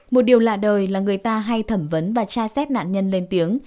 một điều lạ đời là người ta hay thẩm vấn và tra xét nạn nhân lên tiếng